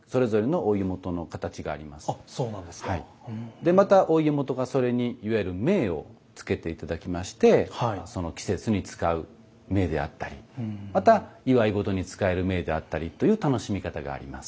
でまたお家元がそれにいわゆる「銘」をつけて頂きましてその季節に使う銘であったりまた祝い事に使える銘であったりという楽しみ方があります。